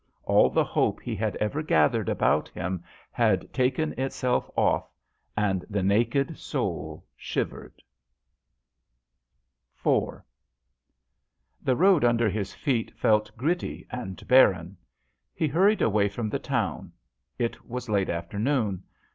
All the hope he had ever gathered about him had taken itself off, and the naked soul shivered. IV. ?HE road under his feet felt gritty and barren. He hurried away from the town. It was late afternoon.